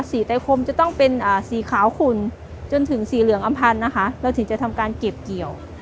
ไตคมจะต้องเป็นสีขาวขุ่นจนถึงสีเหลืองอำพันธ์นะคะเราถึงจะทำการเก็บเกี่ยว